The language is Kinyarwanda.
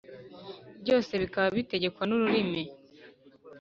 byose bikaba bitegekwa n’ururimi!